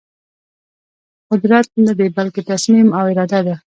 قدرت ندی بلکې تصمیم او اراده ده.